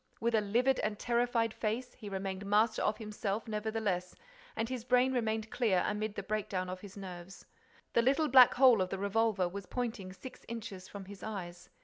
With a livid and terrified face, he remained master of himself, nevertheless, and his brain remained clear amid the breakdown of his nerves. The little black hole of the revolver was pointing at six inches from his eyes.